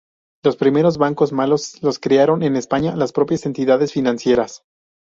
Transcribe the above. Los primeros bancos malos los crearon en España las propias entidades financieras.